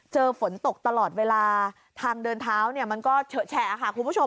เจอฝนตกตลอดเวลาทางเดินเท้าเนี่ยมันก็เฉอะแฉะค่ะคุณผู้ชม